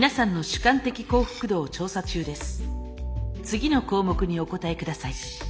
次の項目にお答えください。